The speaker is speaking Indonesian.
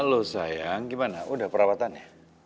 kalau sayang gimana udah perawatannya